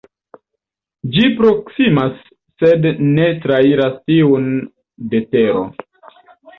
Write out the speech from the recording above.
Ĝi proksimas sed ne trairas tiun de Tero.